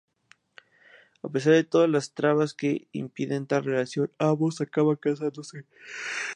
A pesar de todas las trabas que impiden tal relación, ambos acaban casándose.